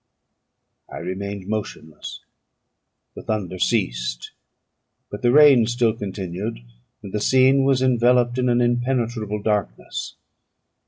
I remained motionless. The thunder ceased; but the rain still continued, and the scene was enveloped in an impenetrable darkness.